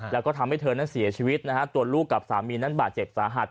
แล้วก็ทำให้เธอนั้นเสียชีวิตนะฮะตัวลูกกับสามีนั้นบาดเจ็บสาหัส